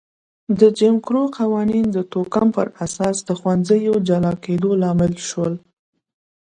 د جیم کرو قوانین د توکم پر اساس د ښوونځیو جلا کېدو لامل شول.